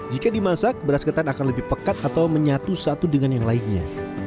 jika dimasak beras ketan akan lebih pekat atau menyatu satu dengan yang lainnya